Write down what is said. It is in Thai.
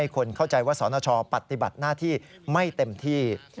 คนเข้าใจว่าสนชปฏิบัติหน้าที่ไม่เต็มที่